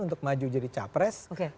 untuk maju jadi capres